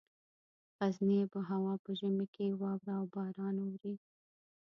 غرني آب هوا په ژمي کې واوره او باران اوري.